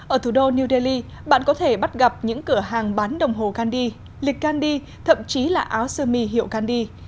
ở thủ đô new delhi bạn có thể bắt gặp những cửa hàng bán đồng hồ gandhi lịch gandhi thậm chí là áo sơ mi hiệu gandhi